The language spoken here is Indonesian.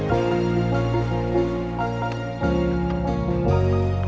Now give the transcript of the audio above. auu kelewat pak